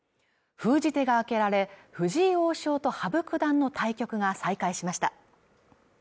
封じ手が開けられ藤井王将と羽生九段の対局が再開しました